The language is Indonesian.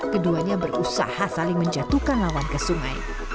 keduanya berusaha saling menjatuhkan lawan ke sungai